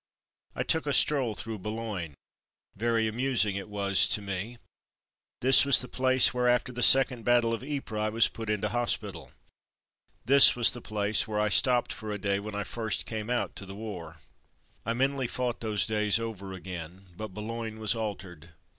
I took a stroll through Boulogne. Very amusing it was to me. This was the place Overseas Once More 89 where, after the second battle of Ypres^ I was put into hospital. This was the place where I stopped for a day when I first came out to the war. 'qa ^u^^ tUr He I mentally fought those days over again. But Boulogne was altered.